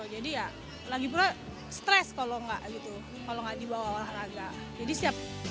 jadi ya lagi pula stres kalau enggak gitu kalau enggak dibawa olahraga jadi siap